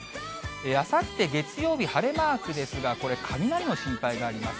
あさって月曜日、晴れマークですが、これ、雷の心配があります。